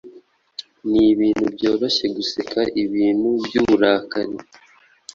Nibintu byoroshye guseka ibintu byuburakari